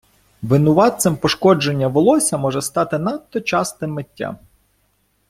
Винуватцем пошкодження волосся може стати надто часте миття.